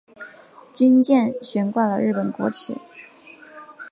军舰悬挂了日本国旗。